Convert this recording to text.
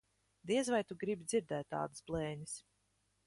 Diez vai tu gribi dzirdēt tādas blēņas.